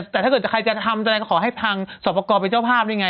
แต่ถ้าเกิดใครจะทำแสดงก็ขอให้ทางสอบประกอบเป็นเจ้าภาพได้ไง